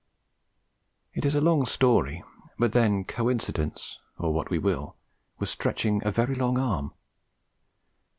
It is a long story; but then Coincidence (or what we will) was stretching a very long arm.